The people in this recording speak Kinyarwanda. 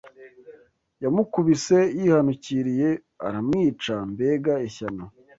Yamukubise yihanukiriye aramwica. Mbega ishyano!